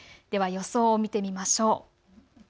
予想を見てみましょう。